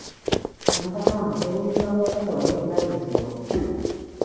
田中さん、そういう考え方は良くないですよ。